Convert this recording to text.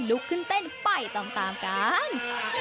ลุกขึ้นเต้นไปตามกัน